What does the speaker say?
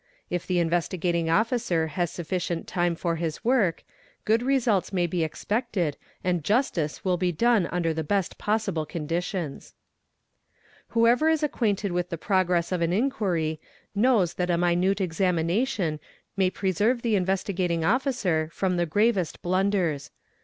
If the Investigating Officer has sufficient time for his work, : good results may be expected and justice will' be done under the best possible conditions. _ Whoever is acquainted with the progress of an inquiry, knows that cite examination may preserve the Investigating Officer from the ravest blunders.